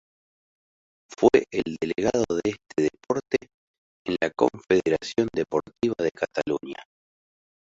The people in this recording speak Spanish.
Fue el delegado de este deporte en la Confederación Deportiva de Cataluña.